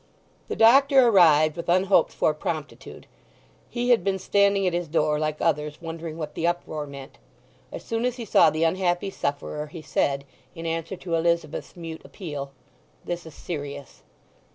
The doctor arrived with unhoped for promptitude; he had been standing at his door, like others, wondering what the uproar meant. As soon as he saw the unhappy sufferer he said, in answer to Elizabeth's mute appeal, "This is serious."